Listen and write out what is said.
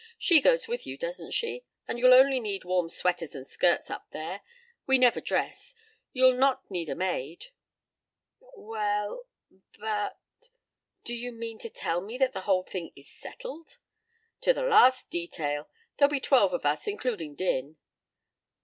She goes with you, doesn't she? And you'll only need warm sweaters and skirts up there. We never dress. You'll not need a maid." "Well but do you mean to tell me that the whole thing is settled?" "To the last detail. There'll be twelve of us, including Din."